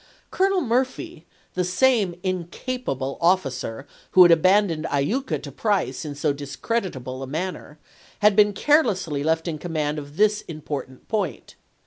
Colonel Murphy, the same incapable officer who had abandoned Iuka to Price in so discreditable a manner, had been carelessly left in command of this important point.